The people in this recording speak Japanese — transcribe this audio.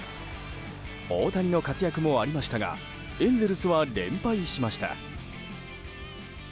大谷の活躍もありましたがエンゼルスは連敗しました。